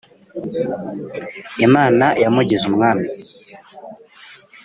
Imana yamugize Umwami